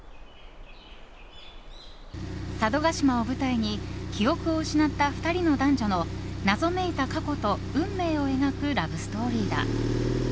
佐渡島を舞台に記憶を失った２人の男女の謎めいた過去と運命を描くラブストーリーだ。